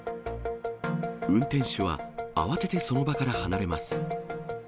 運転手は、慌ててその場から離れます。